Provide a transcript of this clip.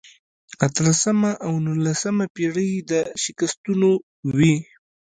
اتلسمه او نولسمه پېړۍ د شکستونو وې.